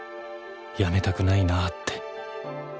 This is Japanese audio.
「やめたくないなあって」